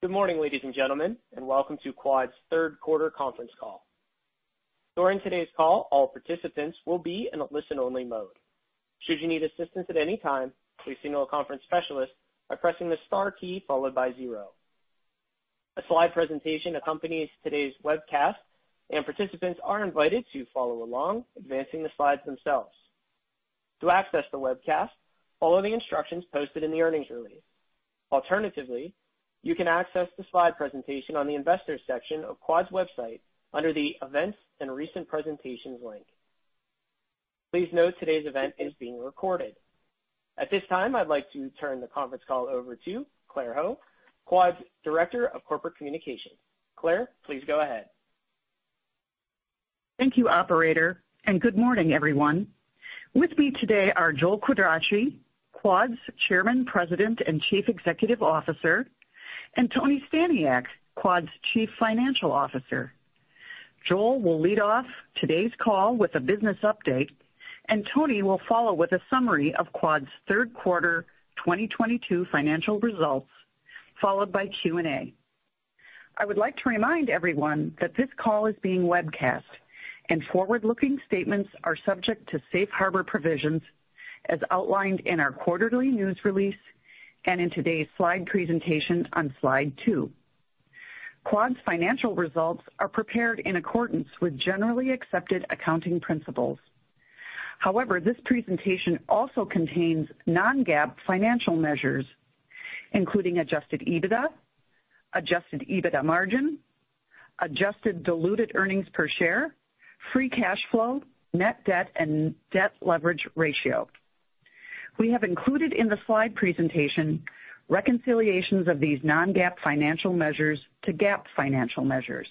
Good morning, ladies and gentlemen, and welcome to Quad's third quarter conference call. During today's call, all participants will be in a listen-only mode. Should you need assistance at any time, please signal a conference specialist by pressing the star key followed by zero. A slide presentation accompanies today's webcast, and participants are invited to follow along, advancing the slides themselves. To access the webcast, follow the instructions posted in the earnings release. Alternatively, you can access the slide presentation on the Investors section of Quad's website under the Events and Recent Presentations link. Please note today's event is being recorded. At this time, I'd like to turn the conference call over to Claire Ho, Quad's Director of Corporate Communications. Claire, please go ahead. Thank you, operator, and good morning, everyone. With me today are Joel Quadracci, Quad's Chairman, President, and Chief Executive Officer, and Tony Staniak, Quad's Chief Financial Officer. Joel will lead off today's call with a business update, and Tony will follow with a summary of Quad's third quarter 2022 financial results, followed by Q&A. I would like to remind everyone that this call is being webcast and forward-looking statements are subject to Safe Harbor provisions as outlined in our quarterly news release and in today's slide presentation on slide 2. Quad's financial results are prepared in accordance with generally accepted accounting principles. However, this presentation also contains non-GAAP financial measures, including adjusted EBITDA, adjusted EBITDA margin, adjusted diluted earnings per share, free cash flow, net debt, and debt leverage ratio. We have included in the slide presentation reconciliations of these non-GAAP financial measures to GAAP financial measures.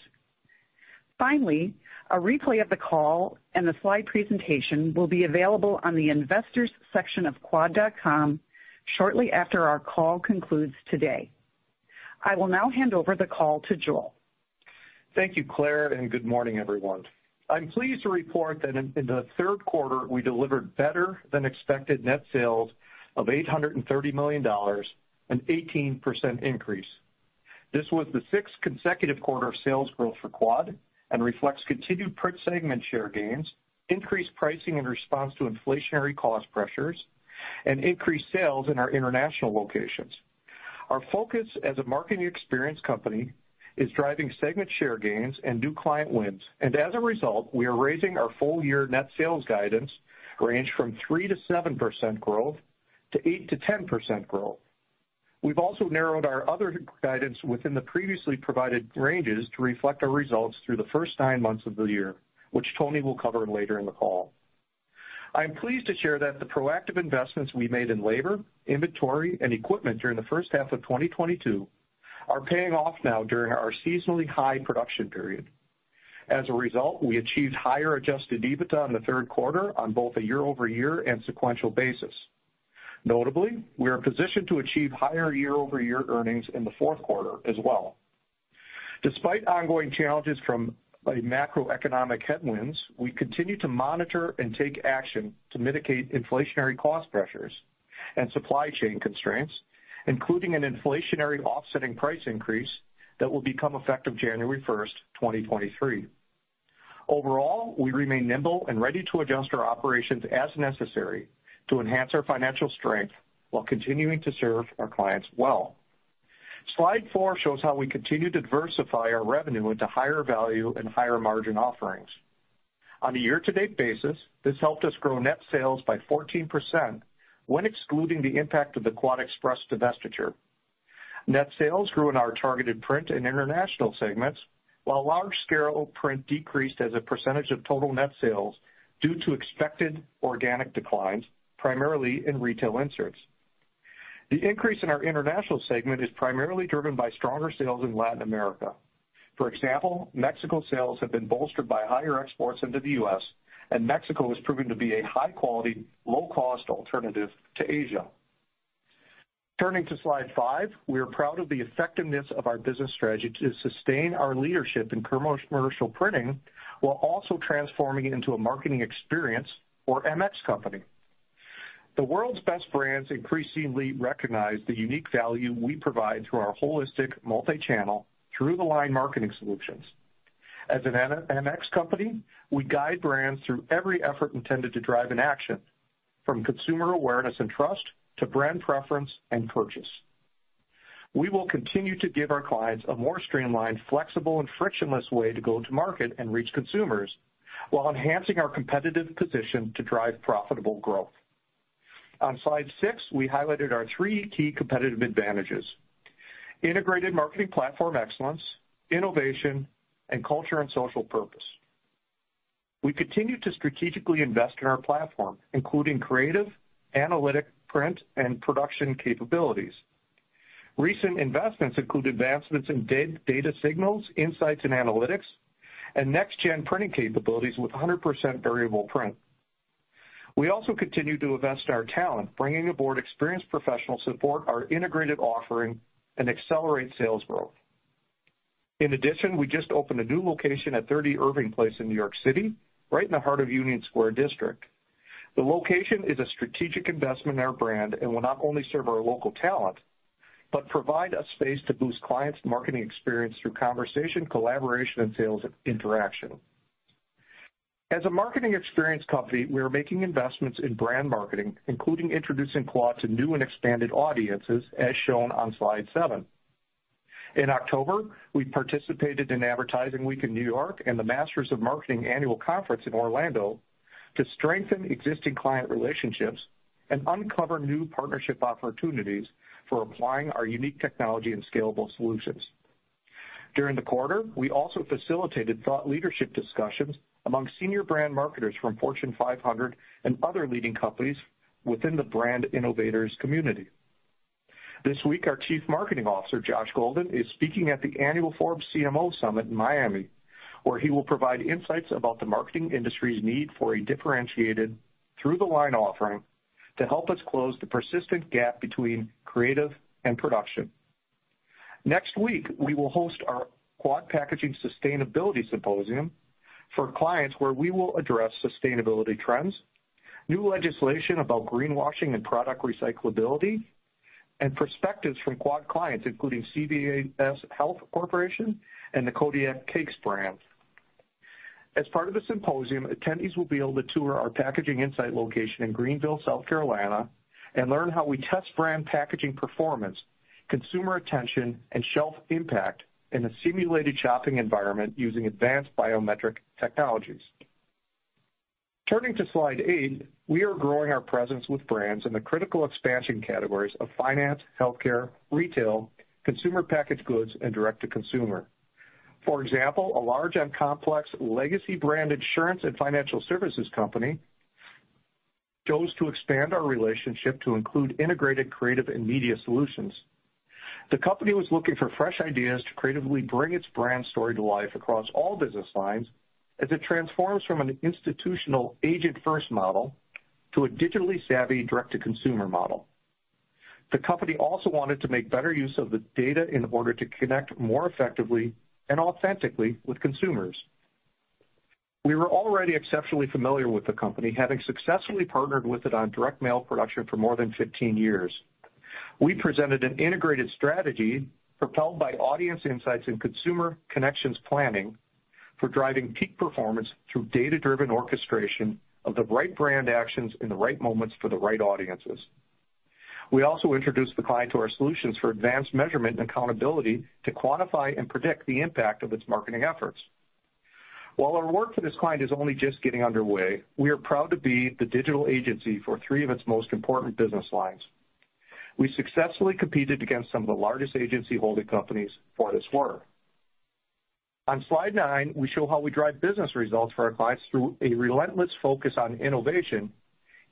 Finally, a replay of the call and the slide presentation will be available on the Investors section of quad.com shortly after our call concludes today. I will now hand over the call to Joel. Thank you, Claire, and good morning, everyone. I'm pleased to report that in the third quarter we delivered better than expected net sales of $830 million, an 18% increase. This was the sixth consecutive quarter of sales growth for Quad and reflects continued print segment share gains, increased pricing in response to inflationary cost pressures, and increased sales in our international locations. Our focus as a marketing experience company is driving segment share gains and new client wins. As a result, we are raising our full year net sales guidance range from 3%-7% growth to 8%-10% growth. We've also narrowed our other guidance within the previously provided ranges to reflect our results through the first nine months of the year, which Tony will cover later in the call. I'm pleased to share that the proactive investments we made in labor, inventory, and equipment during the first half of 2022 are paying off now during our seasonally high production period. As a result, we achieved higher adjusted EBITDA in the third quarter on both a year-over-year and sequential basis. Notably, we are positioned to achieve higher year-over-year earnings in the fourth quarter as well. Despite ongoing challenges from macroeconomic headwinds, we continue to monitor and take action to mitigate inflationary cost pressures and supply chain constraints, including an inflationary offsetting price increase that will become effective January 1st, 2023. Overall, we remain nimble and ready to adjust our operations as necessary to enhance our financial strength while continuing to serve our clients well. slide four shows how we continue to diversify our revenue into higher value and higher margin offerings. On a year-to-date basis, this helped us grow net sales by 14% when excluding the impact of the QuadExpress divestiture. Net sales grew in our targeted print and international segments, while large-scale print decreased as a percentage of total net sales due to expected organic declines, primarily in retail inserts. The increase in our international segment is primarily driven by stronger sales in Latin America. For example, Mexico sales have been bolstered by higher exports into the U.S., and Mexico has proven to be a high quality, low cost alternative to Asia. Turning to slide five, we are proud of the effectiveness of our business strategy to sustain our leadership in commercial printing while also transforming into a marketing experience or MX company. The world's best brands increasingly recognize the unique value we provide through our holistic multi-channel through-the-line marketing solutions. As an MX company, we guide brands through every effort intended to drive an action from consumer awareness and trust to brand preference and purchase. We will continue to give our clients a more streamlined, flexible, and frictionless way to go to market and reach consumers while enhancing our competitive position to drive profitable growth. On slide six, we highlighted our three key competitive advantages, integrated marketing platform excellence, innovation, and culture and social purpose. We continue to strategically invest in our platform, including creative, analytic, print, and production capabilities. Recent investments include advancements in data signals, insights and analytics, and next gen printing capabilities with 100% variable print. We also continue to invest in our talent, bringing aboard experienced professionals to support our integrated offering and accelerate sales growth. In addition, we just opened a new location at 30 Irving Place in New York City, right in the heart of Union Square District. The location is a strategic investment in our brand and will not only serve our local talent, but provide a space to boost clients' marketing experience through conversation, collaboration, and sales interaction. As a marketing experience company, we are making investments in brand marketing, including introducing Quad to new and expanded audiences, as shown on slide seven. In October, we participated in Advertising Week in New York and the Masters of Marketing annual conference in Orlando to strengthen existing client relationships and uncover new partnership opportunities for applying our unique technology and scalable solutions. During the quarter, we also facilitated thought leadership discussions among senior brand marketers from Fortune 500 and other leading companies within the Brand Innovators community. This week, our Chief Marketing Officer, Josh Golden, is speaking at the annual Forbes CMO Summit in Miami, where he will provide insights about the marketing industry's need for a differentiated through-the-line offering to help us close the persistent gap between creative and production. Next week, we will host our Quad Packaging Sustainability Symposium for clients, where we will address sustainability trends, new legislation about greenwashing and product recyclability, and perspectives from Quad clients, including CVS Health Corporation and the Kodiak Cakes brand. As part of the symposium, attendees will be able to tour our packaging insight location in Greenville, South Carolina, and learn how we test brand packaging performance, consumer attention, and shelf impact in a simulated shopping environment using advanced biometric technologies. Turning to slide eight. We are growing our presence with brands in the critical expansion categories of finance, healthcare, retail, consumer packaged goods, and direct-to-consumer. For example, a large and complex legacy brand insurance and financial services company chose to expand our relationship to include integrated creative and media solutions. The company was looking for fresh ideas to creatively bring its brand story to life across all business lines as it transforms from an institutional agent-first model to a digitally savvy direct-to-consumer model. The company also wanted to make better use of the data in order to connect more effectively and authentically with consumers. We were already exceptionally familiar with the company, having successfully partnered with it on direct mail production for more than 15 years. We presented an integrated strategy propelled by audience insights and consumer connections planning for driving peak performance through data-driven orchestration of the right brand actions in the right moments for the right audiences. We also introduced the client to our solutions for advanced measurement and accountability to quantify and predict the impact of its marketing efforts. While our work for this client is only just getting underway, we are proud to be the digital agency for three of its most important business lines. We successfully competed against some of the largest agency holding companies for this work. On slide nine, we show how we drive business results for our clients through a relentless focus on innovation,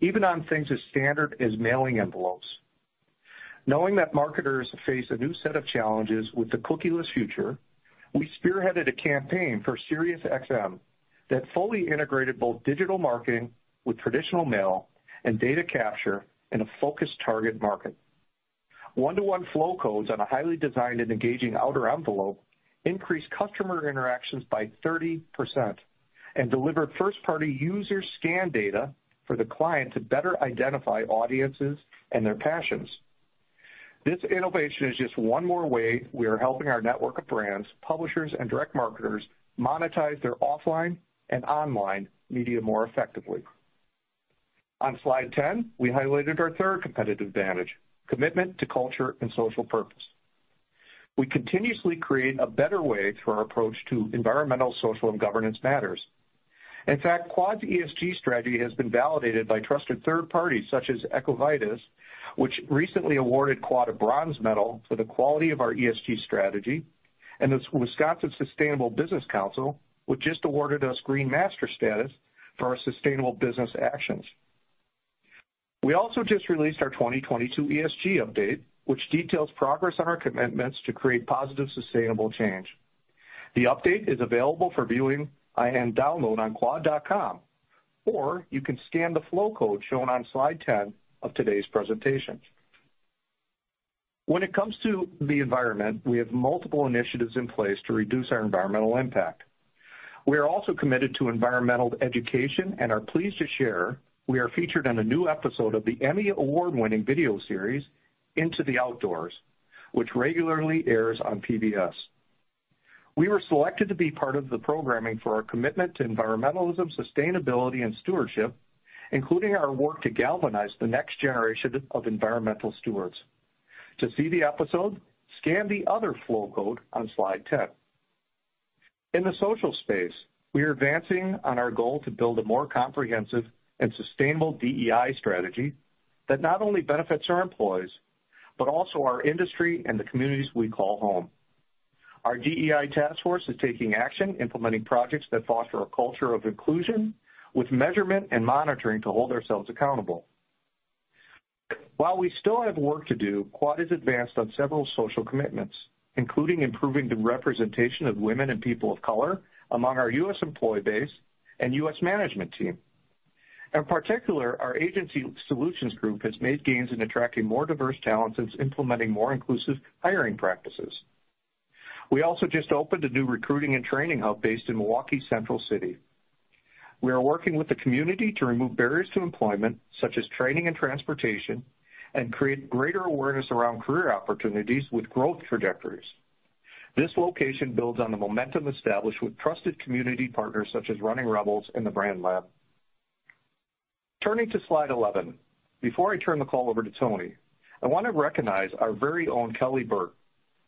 even on things as standard as mailing envelopes. Knowing that marketers face a new set of challenges with the cookieless future, we spearheaded a campaign for SiriusXM that fully integrated both digital marketing with traditional mail and data capture in a focused target market. 1:1 Flowcodes on a highly designed and engaging outer envelope increased customer interactions by 30% and delivered first-party user scan data for the client to better identify audiences and their passions. This innovation is just one more way we are helping our network of brands, publishers, and direct marketers monetize their offline and online media more effectively. On slide 10, we highlighted our third competitive advantage. Commitment to culture and social purpose. We continuously create a better way through our approach to environmental, social, and governance matters. In fact, Quad's ESG strategy has been validated by trusted third parties such as EcoVadis, which recently awarded Quad a bronze medal for the quality of our ESG strategy, and the Wisconsin Sustainable Business Council, which just awarded us Green Master status for our sustainable business actions. We also just released our 2022 ESG update, which details progress on our commitments to create positive, sustainable change. The update is available for viewing and download on quad.com, or you can scan the Flowcode shown on slide 10 of today's presentation. When it comes to the environment, we have multiple initiatives in place to reduce our environmental impact. We are also committed to environmental education and are pleased to share we are featured on a new episode of the Emmy Award-winning video series, Into the Outdoors, which regularly airs on PBS. We were selected to be part of the programming for our commitment to environmentalism, sustainability, and stewardship, including our work to galvanize the next generation of environmental stewards. To see the episode, scan the other Flowcode on slide 10. In the social space, we are advancing on our goal to build a more comprehensive and sustainable DEI strategy that not only benefits our employees, but also our industry and the communities we call home. Our DEI task force is taking action, implementing projects that foster a culture of inclusion with measurement and monitoring to hold ourselves accountable. While we still have work to do, Quad has advanced on several social commitments, including improving the representation of women and people of color among our U.S. employee base and U.S. management team. In particular, our agency solutions group has made gains in attracting more diverse talents and is implementing more inclusive hiring practices. We also just opened a new recruiting and training hub based in Milwaukee Central City. We are working with the community to remove barriers to employment, such as training and transportation, and create greater awareness around career opportunities with growth trajectories. This location builds on the momentum established with trusted community partners such as Running Rebels and The Brand Lab. Turning to slide 11. Before I turn the call over to Tony, I wanna recognize our very own Kelly Burke,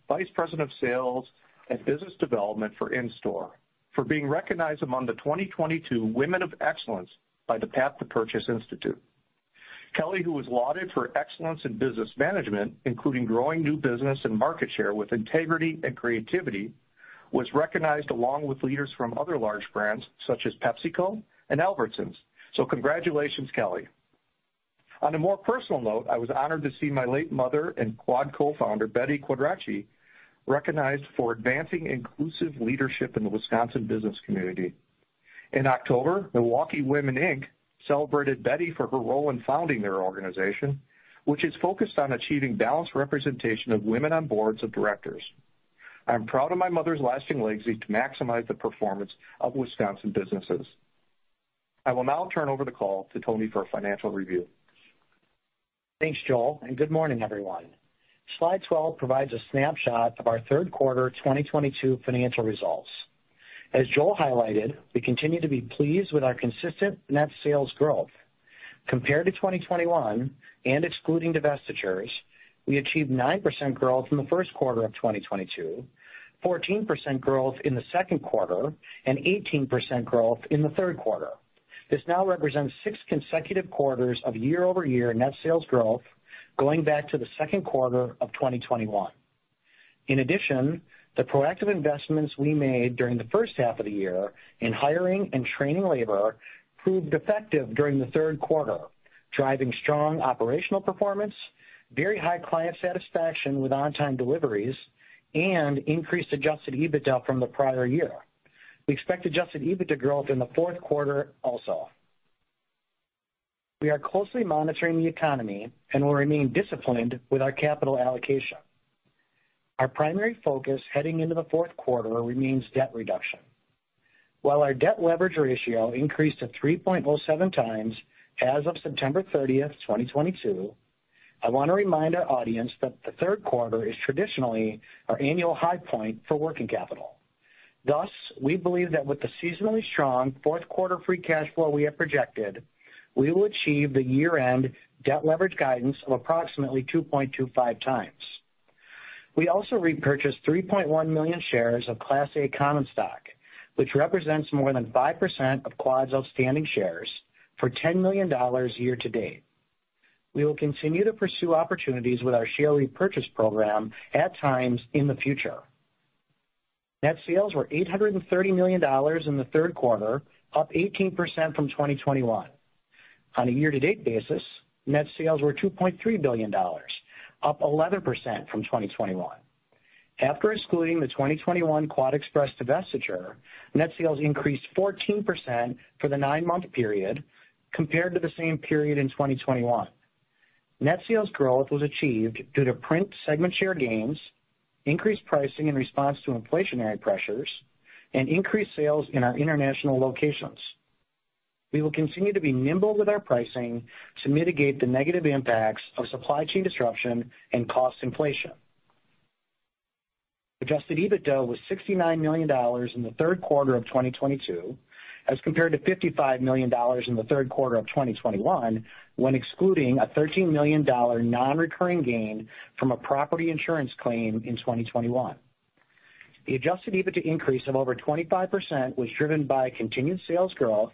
Vice President of Sales and Business Development for In-Store, for being recognized among the 2022 Women of Excellence by the Path to Purchase Institute. Kelly, who was lauded for excellence in business management, including growing new business and market share with integrity and creativity, was recognized along with leaders from other large brands such as PepsiCo and Albertsons. Congratulations, Kelly. On a more personal note, I was honored to see my late mother and Quad Co-Founder, Betty Quadracci, recognized for advancing inclusive leadership in the Wisconsin business community. In October, Milwaukee Women Inc. celebrated Betty for her role in founding their organization, which is focused on achieving balanced representation of women on boards of directors. I'm proud of my mother's lasting legacy to maximize the performance of Wisconsin businesses. I will now turn over the call to Tony for a financial review. Thanks, Joel, and good morning, everyone. Slide 12 provides a snapshot of our third quarter 2022 financial results. As Joel highlighted, we continue to be pleased with our consistent net sales growth. Compared to 2021, and excluding divestitures, we achieved 9% growth in the first quarter of 2022, 14% growth in the second quarter, and 18% growth in the third quarter. This now represents six consecutive quarters of year-over-year net sales growth going back to the second quarter of 2021. In addition, the proactive investments we made during the first half of the year in hiring and training labor proved effective during the third quarter, driving strong operational performance, very high client satisfaction with on-time deliveries, and increased adjusted EBITDA from the prior year. We expect adjusted EBITDA growth in the fourth quarter also. We are closely monitoring the economy and will remain disciplined with our capital allocation. Our primary focus heading into the fourth quarter remains debt reduction. While our debt leverage ratio increased to 3.07x as of September 30th, 2022, I wanna remind our audience that the third quarter is traditionally our annual high point for working capital. Thus, we believe that with the seasonally strong fourth quarter free cash flow we have projected, we will achieve the year-end debt leverage guidance of approximately 2.25x. We also repurchased 3.1 million shares of Class A common stock, which represents more than 5% of Quad's outstanding shares, for $10 million year-to-date. We will continue to pursue opportunities with our share repurchase program at times in the future. Net sales were $830 million in the third quarter, up 18% from 2021. On a year-to-date basis, net sales were $2.3 billion, up 11% from 2021. After excluding the 2021 QuadExpress divestiture, net sales increased 14% for the nine-month period compared to the same period in 2021. Net sales growth was achieved due to print segment share gains, increased pricing in response to inflationary pressures, and increased sales in our international locations. We will continue to be nimble with our pricing to mitigate the negative impacts of supply chain disruption and cost inflation. Adjusted EBITDA was $69 million in the third quarter of 2022, as compared to $55 million in the third quarter of 2021, when excluding a $13 million non-recurring gain from a property insurance claim in 2021. Adjusted EBITDA increase of over 25% was driven by continued sales growth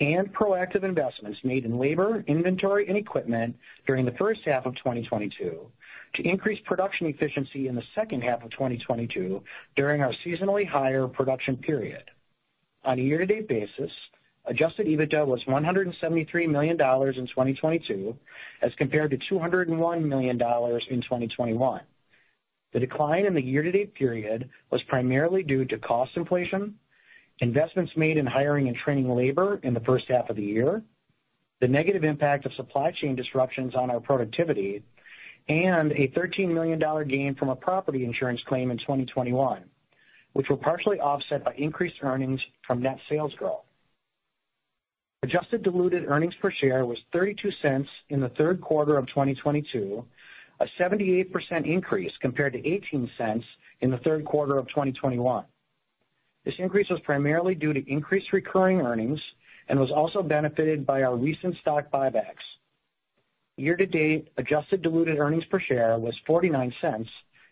and proactive investments made in labor, inventory, and equipment during the first half of 2022 to increase production efficiency in the second half of 2022 during our seasonally higher production period. On a year-to-date basis, adjusted EBITDA was $173 million in 2022, as compared to $201 million in 2021. The decline in the year-to-date period was primarily due to cost inflation, investments made in hiring and training labor in the first half of the year, the negative impact of supply chain disruptions on our productivity, and a $13 million gain from a property insurance claim in 2021, which were partially offset by increased earnings from net sales growth. Adjusted diluted earnings per share was $0.32 in the third quarter of 2022, a 78% increase compared to $0.18 in the third quarter of 2021. This increase was primarily due to increased recurring earnings and was also benefited by our recent stock buybacks. Year-to-date, adjusted diluted earnings per share was $0.49,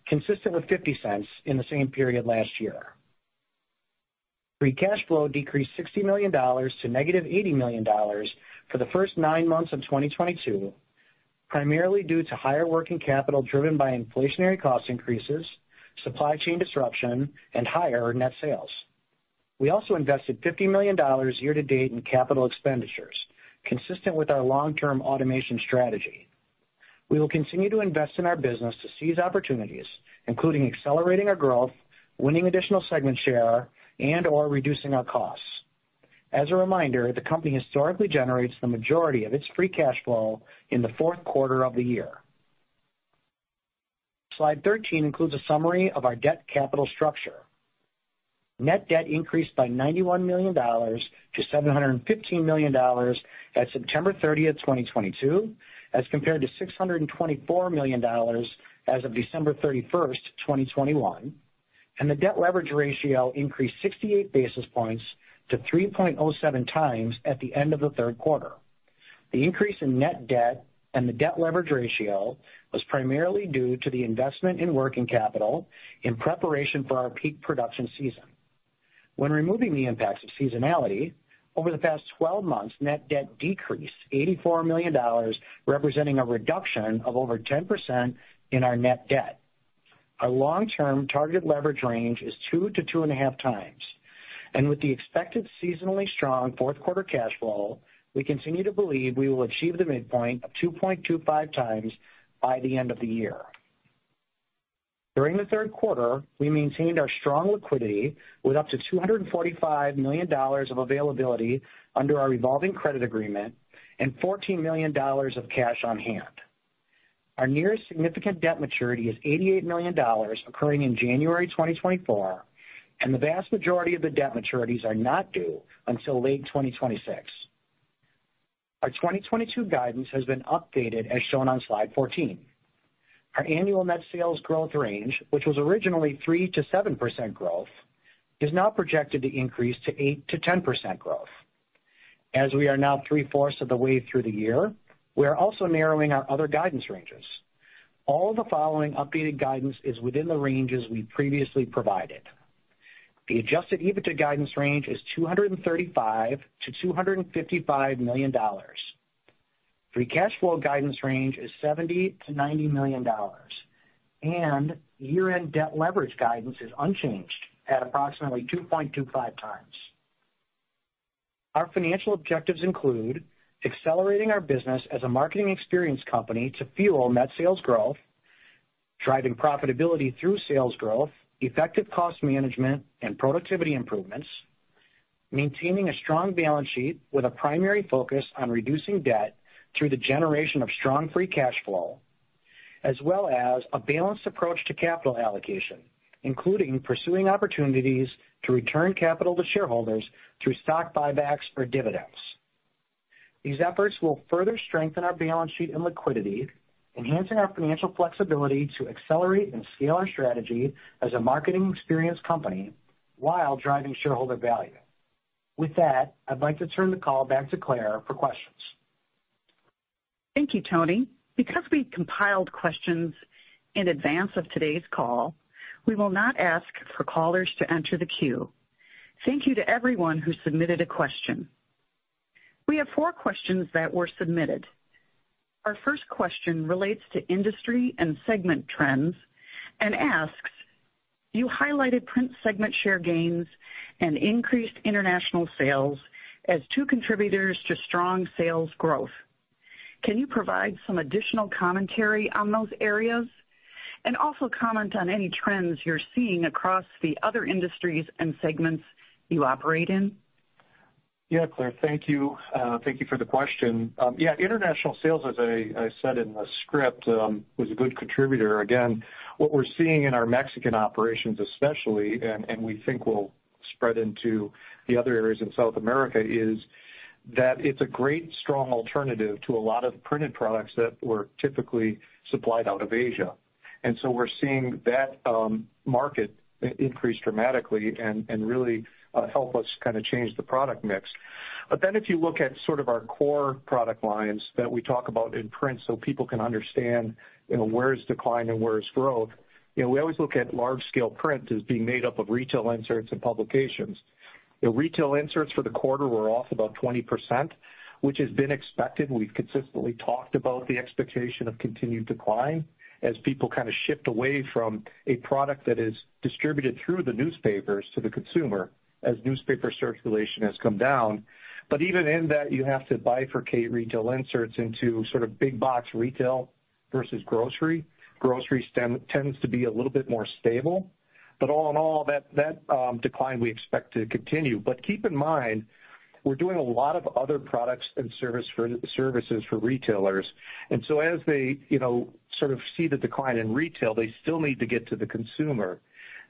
consistent with $0.50 in the same period last year. Free cash flow decreased $60 million to -$80 million for the first nine months of 2022, primarily due to higher working capital driven by inflationary cost increases, supply chain disruption, and higher net sales. We also invested $50 million year-to-date in capital expenditures, consistent with our long-term automation strategy. We will continue to invest in our business to seize opportunities, including accelerating our growth, winning additional segment share, and/or reducing our costs. As a reminder, the company historically generates the majority of its free cash flow in the fourth quarter of the year. Slide 13 includes a summary of our debt capital structure. Net debt increased by $91 million to $715 million at September 30th, 2022, as compared to $624 million as of December 31st, 2021, and the debt leverage ratio increased 68 basis points to 3.07x at the end of the third quarter. The increase in net debt and the debt leverage ratio was primarily due to the investment in working capital in preparation for our peak production season. When removing the impacts of seasonality, over the past 12 months, net debt decreased $84 million, representing a reduction of over 10% in our net debt. Our long-term targeted leverage range is 2x-2.5x, and with the expected seasonally strong fourth quarter cash flow, we continue to believe we will achieve the midpoint of 2.25x by the end of the year. During the third quarter, we maintained our strong liquidity with up to $245 million of availability under our revolving credit agreement and $14 million of cash on hand. Our nearest significant debt maturity is $88 million occurring in January 2024, and the vast majority of the debt maturities are not due until late 2026. Our 2022 guidance has been updated as shown on slide 14. Our annual net sales growth range, which was originally 3%-7% growth, is now projected to increase to 8%-10% growth. As we are now 3/4 of the way through the year, we are also narrowing our other guidance ranges. All the following updated guidance is within the ranges we previously provided. The adjusted EBITDA guidance range is $235 million-$255 million. Free cash flow guidance range is $70 million-$90 million, and year-end debt leverage guidance is unchanged at approximately 2.25x. Our financial objectives include accelerating our business as a marketing experience company to fuel net sales growth, driving profitability through sales growth, effective cost management and productivity improvements, maintaining a strong balance sheet with a primary focus on reducing debt through the generation of strong free cash flow, as well as a balanced approach to capital allocation, including pursuing opportunities to return capital to shareholders through stock buybacks or dividends. These efforts will further strengthen our balance sheet and liquidity, enhancing our financial flexibility to accelerate and scale our strategy as a marketing experience company while driving shareholder value. With that, I'd like to turn the call back to Claire for questions. Thank you, Tony. Because we compiled questions in advance of today's call, we will not ask for callers to enter the queue. Thank you to everyone who submitted a question. We have four questions that were submitted. Our first question relates to industry and segment trends and asks, you highlighted print segment share gains and increased international sales as two contributors to strong sales growth. Can you provide some additional commentary on those areas? Also comment on any trends you're seeing across the other industries and segments you operate in. Yeah, Claire, thank you. Thank you for the question. Yeah, international sales, as I said in the script, was a good contributor. Again, what we're seeing in our Mexican operations especially, and we think will spread into the other areas in South America, is that it's a great strong alternative to a lot of printed products that were typically supplied out of Asia. And so we're seeing that market increase dramatically and really help us kinda change the product mix. If you look at sort of our core product lines that we talk about in print so people can understand, you know, where is decline and where is growth, you know, we always look at large-scale print as being made up of retail inserts and publications. The retail inserts for the quarter were off about 20%, which has been expected. We've consistently talked about the expectation of continued decline as people kind of shift away from a product that is distributed through the newspapers to the consumer as newspaper circulation has come down. Even in that, you have to bifurcate retail inserts into sort of big box retail versus grocery. Grocery tends to be a little bit more stable. All in all, that decline we expect to continue. Keep in mind, we're doing a lot of other products and services for retailers. As they, you know, sort of see the decline in retail, they still need to get to the consumer.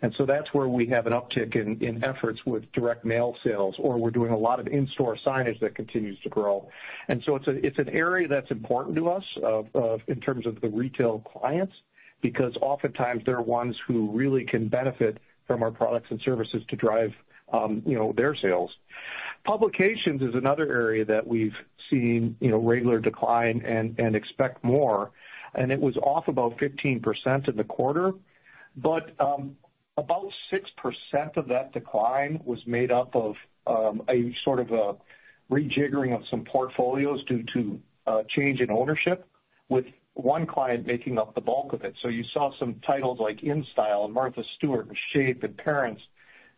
That's where we have an uptick in efforts with direct mail sales, or we're doing a lot of in-store signage that continues to grow. It's an area that's important to us in terms of the retail clients, because oftentimes they're ones who really can benefit from our products and services to drive, you know, their sales. Publications is another area that we've seen, you know, regular decline and expect more, and it was off about 15% in the quarter. About 6% of that decline was made up of a sort of a rejiggering of some portfolios due to a change in ownership, with one client making up the bulk of it. You saw some titles like InStyle and Martha Stewart and Shape and Parents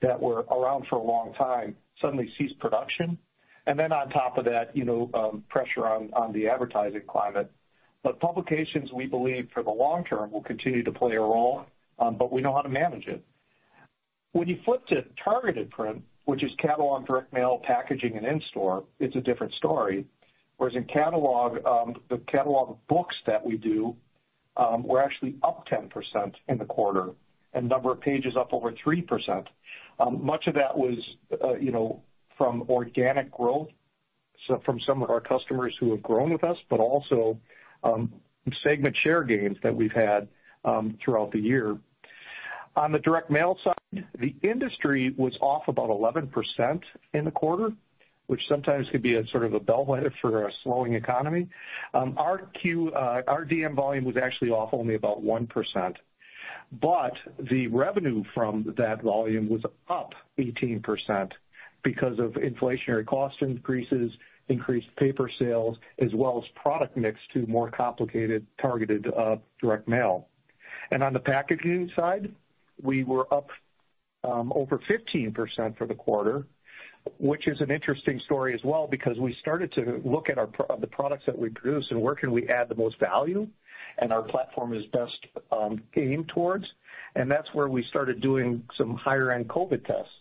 that were around for a long time, suddenly cease production. Then on top of that, you know, pressure on the advertising climate. Publications, we believe for the long term, will continue to play a role, but we know how to manage it. When you flip to targeted print, which is catalog, direct mail, packaging and in-store, it's a different story. Whereas in catalog, the catalog books that we do were actually up 10% in the quarter, and number of pages up over 3%. Much of that was, you know, from organic growth. From some of our customers who have grown with us, but also, segment share gains that we've had throughout the year. On the direct mail side, the industry was off about 11% in the quarter, which sometimes could be a sort of a bellwether for a slowing economy. Our DM volume was actually off only about 1%, but the revenue from that volume was up 18% because of inflationary cost increases, increased paper sales, as well as product mix to more complicated targeted direct mail. On the packaging side, we were up over 15% for the quarter, which is an interesting story as well, because we started to look at the products that we produce and where can we add the most value and our platform is best aimed towards. That's where we started doing some higher-end COVID tests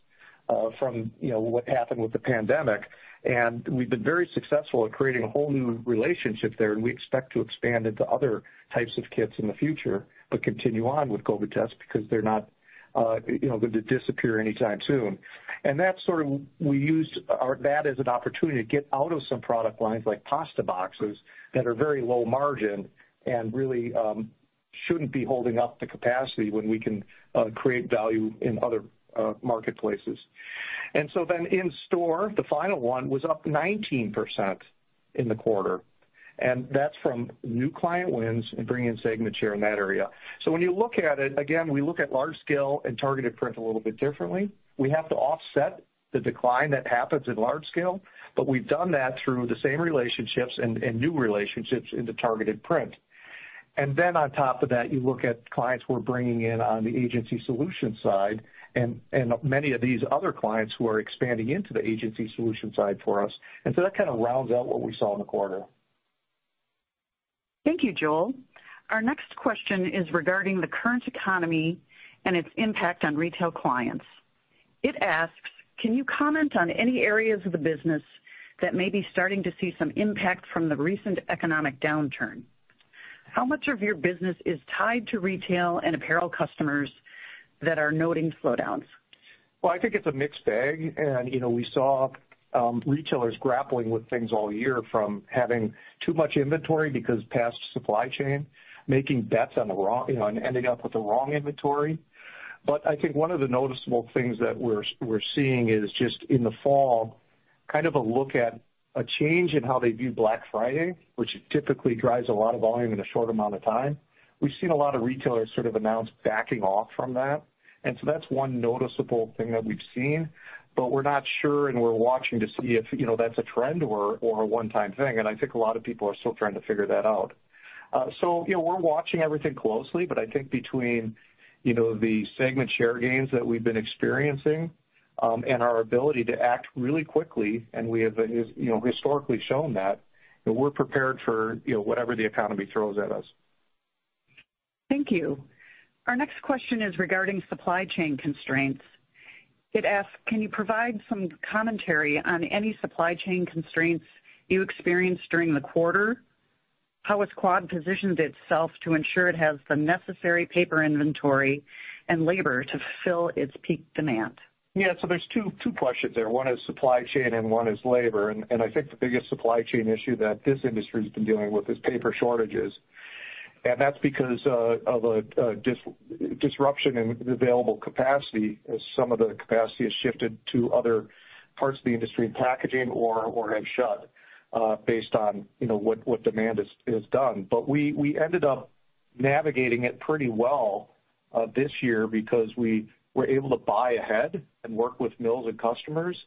from, you know, what happened with the pandemic. We've been very successful at creating a whole new relationship there, and we expect to expand into other types of kits in the future, but continue on with COVID tests because they're not, you know, going to disappear anytime soon. That's sort of that as an opportunity to get out of some product lines like pasta boxes that are very low margin and really, shouldn't be holding up the capacity when we can, create value in other, marketplaces. In-Store, the final one was up 19% in the quarter, and that's from new client wins and bringing in segment share in that area. When you look at it, again, we look at large scale and targeted print a little bit differently. We have to offset the decline that happens in large scale, but we've done that through the same relationships and new relationships into targeted print. On top of that, you look at clients we're bringing in on the agency solution side and many of these other clients who are expanding into the agency solution side for us. That kind of rounds out what we saw in the quarter. Thank you, Joel. Our next question is regarding the current economy and its impact on retail clients. It asks: Can you comment on any areas of the business that may be starting to see some impact from the recent economic downturn? How much of your business is tied to retail and apparel customers that are noting slowdowns? Well, I think it's a mixed bag. You know, we saw retailers grappling with things all year from having too much inventory because past supply chain, making bets on the wrong, you know, and ending up with the wrong inventory. I think one of the noticeable things that we're seeing is just in the fall, kind of a look at a change in how they view Black Friday, which typically drives a lot of volume in a short amount of time. We've seen a lot of retailers sort of announce backing off from that. That's one noticeable thing that we've seen, but we're not sure and we're watching to see if, you know, that's a trend or a one-time thing. I think a lot of people are still trying to figure that out. So you know, we're watching everything closely, but I think between, you know, the segment share gains that we've been experiencing, and our ability to act really quickly, and we have, you know, historically shown that, we're prepared for, you know, whatever the economy throws at us. Thank you. Our next question is regarding supply chain constraints. It asks: Can you provide some commentary on any supply chain constraints you experienced during the quarter? How has Quad positioned itself to ensure it has the necessary paper inventory and labor to fill its peak demand? Yeah. There's two questions there. One is supply chain and one is labor. I think the biggest supply chain issue that this industry has been dealing with is paper shortages. That's because of a disruption in the available capacity as some of the capacity has shifted to other parts of the industry in packaging or have shut based on, you know, what demand is done. We ended up navigating it pretty well this year because we were able to buy ahead and work with mills and customers.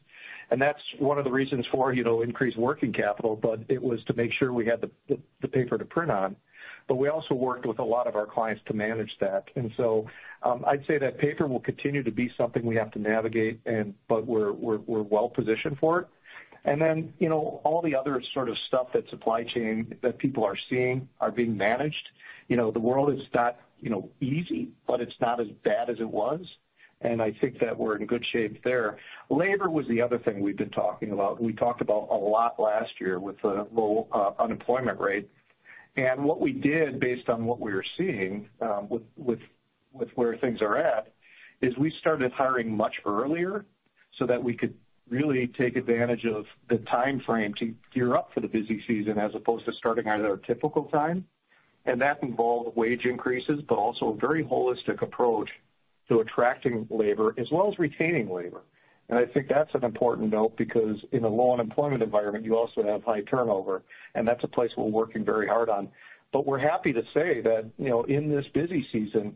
That's one of the reasons for, you know, increased working capital, but it was to make sure we had the paper to print on. We also worked with a lot of our clients to manage that. I'd say that paper will continue to be something we have to navigate, but we're well-positioned for it. Then, you know, all the other sort of stuff that supply chain that people are seeing are being managed. You know, the world is not, you know, easy, but it's not as bad as it was. I think that we're in good shape there. Labor was the other thing we've been talking about. We talked about a lot last year with the low unemployment rate. What we did based on what we are seeing with where things are at is we started hiring much earlier so that we could really take advantage of the timeframe to gear up for the busy season as opposed to starting at our typical time. That involved wage increases, but also a very holistic approach to attracting labor as well as retaining labor. I think that's an important note because in a low unemployment environment, you also have high turnover, and that's a place we're working very hard on. We're happy to say that, you know, in this busy season,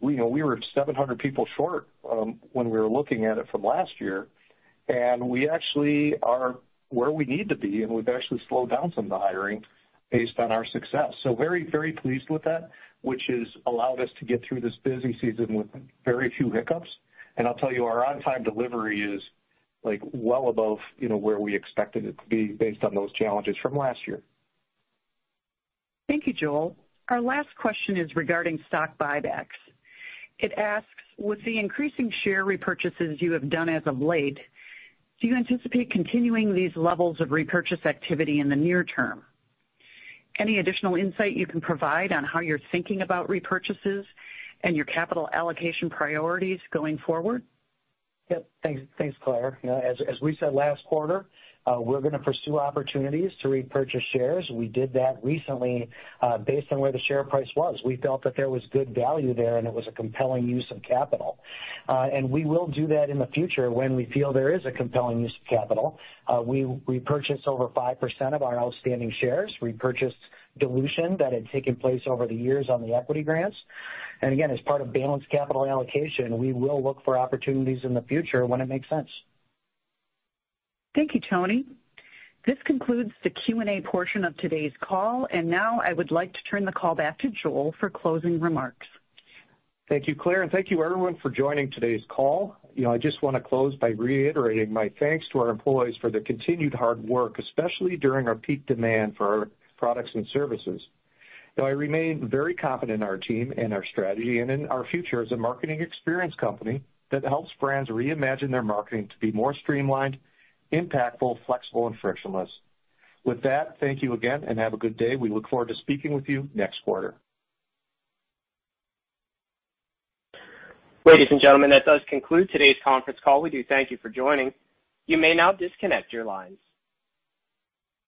you know, we were 700 people short, when we were looking at it from last year, and we actually are where we need to be, and we've actually slowed down some of the hiring based on our success. Very, very pleased with that, which has allowed us to get through this busy season with very few hiccups. I'll tell you, our on-time delivery is, like, well above, you know, where we expected it to be based on those challenges from last year. Thank you, Joel. Our last question is regarding stock buybacks. It asks: With the increasing share repurchases you have done as of late, do you anticipate continuing these levels of repurchase activity in the near term? Any additional insight you can provide on how you're thinking about repurchases and your capital allocation priorities going forward? Yep. Thanks. Thanks, Claire. You know, as we said last quarter, we're gonna pursue opportunities to repurchase shares. We did that recently, based on where the share price was. We felt that there was good value there, and it was a compelling use of capital. We will do that in the future when we feel there is a compelling use of capital. We repurchased over 5% of our outstanding shares. We purchased dilution that had taken place over the years on the equity grants. Again, as part of balanced capital allocation, we will look for opportunities in the future when it makes sense. Thank you, Tony. This concludes the Q&A portion of today's call, and now I would like to turn the call back to Joel for closing remarks. Thank you, Claire, and thank you everyone for joining today's call. You know, I just wanna close by reiterating my thanks to our employees for their continued hard work, especially during our peak demand for our products and services. You know, I remain very confident in our team and our strategy and in our future as a marketing experience company that helps brands reimagine their marketing to be more streamlined, impactful, flexible and frictionless. With that, thank you again and have a good day. We look forward to speaking with you next quarter. Ladies and gentlemen, that does conclude today's conference call. We do thank you for joining. You may now disconnect your lines.